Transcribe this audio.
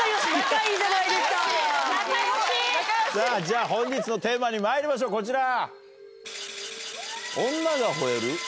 さぁじゃ本日のテーマにまいりましょうこちら！